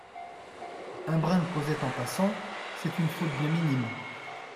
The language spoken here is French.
Un brin de causette en passant, C’est une faute bien minime.